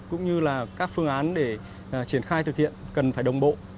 cũng như là các phương án để triển khai thực hiện cần phải đồng bộ